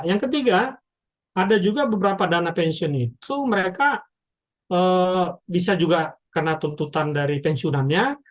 yang ketiga ada juga beberapa dana pensiun itu mereka bisa juga kena tuntutan dari pensiunannya